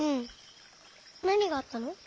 なにがあったの？